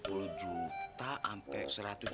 kalau nggak ngertia